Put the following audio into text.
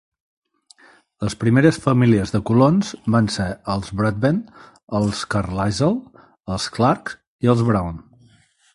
Les primeres famílies de colons van ser els Broadbent, els Carlisle, els Clark i els Brown.